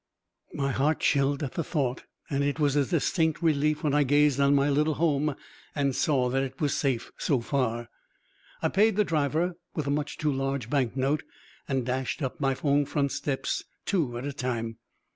My heart chilled at the thought and it was a distinct relief when I gazed on my little home and saw that it was safe so far. I paid the driver with a much too large bank note and dashed up my own front steps two at a time.